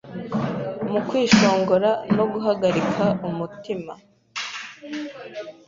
Mu kwishongora no guhagarika umutima